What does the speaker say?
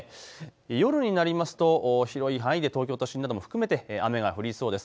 夜になりますと広い範囲で東京都心なども含めて雨が降りそうです。